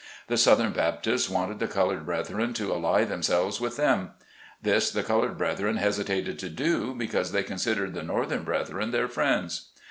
The southern Baptists wanted the colored brethren to ally themselves with them ; this the colored brethren hesitated to do, because they considered the north ern brethren their friends.